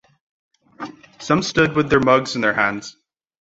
Some stood with their mugs in their hands.